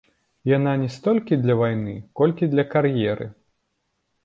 Яна не столькі для вайны, колькі для кар'еры.